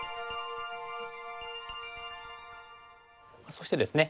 そしてですね